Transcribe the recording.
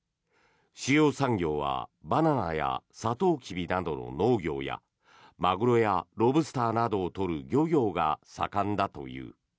主要産業はバナナやサトウキビなどの農業やマグロやロブスターなどを取る漁業が盛んだという。